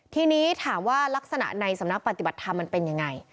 ทีนี้ถามว่ารักษณะในสำนักปฏิบัติธรรมมันเป็นยังไง